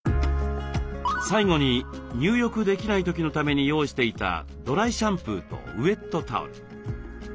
最後に入浴できない時のために用意していたドライシャンプーとウエットタオル。